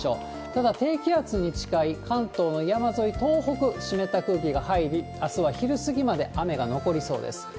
ただ、低気圧に近い関東の山沿い、東北、湿った空気が入り、あすは昼過ぎまで雨が残りそうです。